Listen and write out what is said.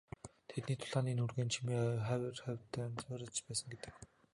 Тэдний тулааны нүргээн чимээ хавь ойрд нь цуурайтаж байсан гэдэг.